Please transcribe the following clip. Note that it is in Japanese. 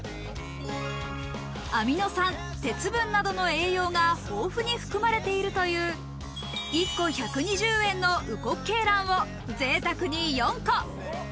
アミノ酸、鉄分などの栄養が豊富に含まれているという、１個１２０円の烏骨鶏卵をぜいたくに４個。